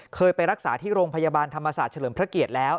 เคยไปรักษาที่โรงพยาบาลธรรมศาสตร์เฉลิมพระเกียรติแล้ว